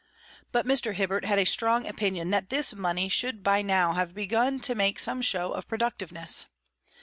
But Mr. Hibbert had a strong opinion that this money should by now have begun to make some show of productiveness.